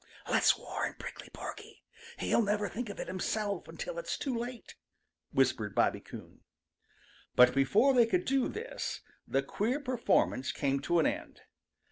"Let's warn Prickly Porky; he'll never think of it himself until it's too late," whispered Bobby Coon. But before they could do this, the queer performance came to an end.